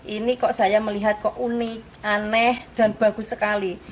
ini kok saya melihat kok unik aneh dan bagus sekali